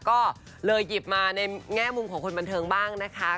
ก็เลยหยิบมาในแง่มุมของคนบันเทิงบ้างนะคะ